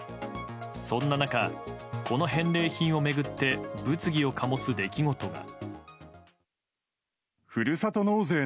そんな中、この返礼品を巡って物議を醸す出来事が。